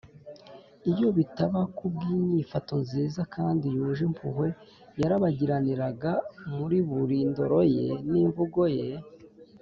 iyo bitaba kubw’inyifato nziza kandi yuje impuhwe yarabagiraniraga muri buri ndoro ye n’imvugo ye,